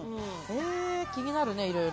気になるねいろいろ。